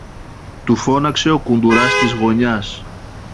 του φώναξε ο κουντουράς της γωνιάς.